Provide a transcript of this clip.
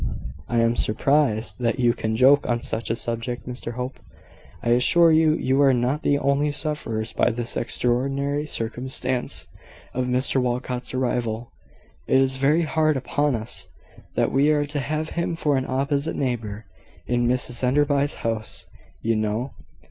"I am surprised that you can joke on such a subject, Mr Hope. I assure you, you are not the only sufferers by this extraordinary circumstance of Mr Walcot's arrival. It is very hard upon us, that we are to have him for an opposite neighbour in Mrs Enderby's house, you know.